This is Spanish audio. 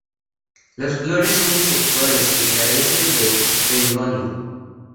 Las flores son bisexuales, que carecen de perigonio.